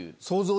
そう！